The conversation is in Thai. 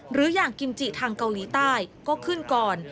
หรืออย่างกิมจิทางเกาหลีใต้ก็ขึ้นก่อน